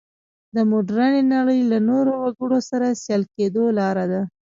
د مډرنې نړۍ له نورو وګړو سره سیال کېدو لاره ده.